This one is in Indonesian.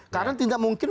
karena tidak mungkin